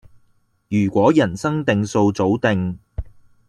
如果人生定數早定